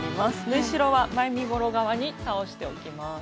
縫い代は前身ごろ側に倒しておきます。